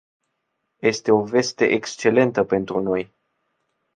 Este o veste excelentă pentru noi.